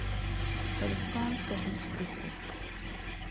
Hulle staan soggens vroeg op